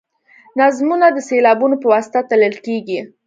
نظمونه د سېلابونو په واسطه تلل کیږي.